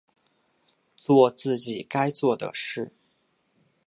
作自己该做的事